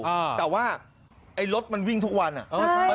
อ่าแต่ว่าไอ้รถมันวิ่งทุกวันอ่ะเออใช่